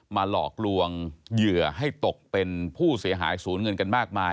หลอกลวงเหยื่อให้ตกเป็นผู้เสียหายศูนย์เงินกันมากมาย